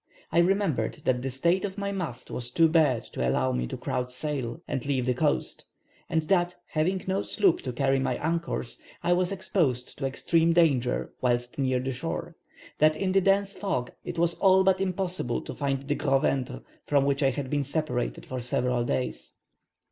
I remembered that the state of my mast was too bad to allow me to crowd sail, and leave the coast, and that, having no sloop to carry my anchors, I was exposed to extreme danger whilst near the shore, that in the dense fog it was all but impossible to find the Gros ventre, from which I had been separated for several days.